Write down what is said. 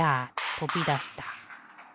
とびだした。